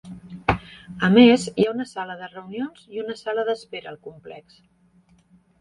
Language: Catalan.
A més, hi ha una sala de reunions i una sala d'espera al complex.